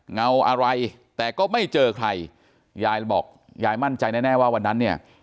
เงาอะไรแต่ก็ไม่เจอใครยายบอกยายมั่นใจแน่แน่ว่าวันนั้นเนี่ย